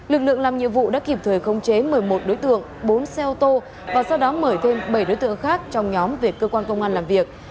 lực lượng làm nhiệm vụ đã kịp thời khống chế một mươi một đối tượng bốn xe ô tô và sau đó mời thêm bảy đối tượng khác trong nhóm về cơ quan công an làm việc